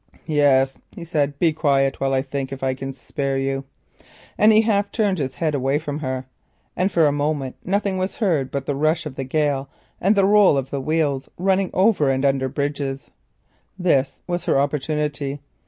"Yes," he said, "be quiet while I think if I can spare you," and he half turned his head away from her. For a moment nothing was heard but the rush of the gale and the roll of the wheels running over and under bridges. This was her opportunity.